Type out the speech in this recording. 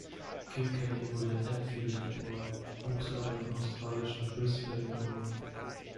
Kilkenny wurde in Enfield geboren, wuchs aber im australischen Brisbane auf.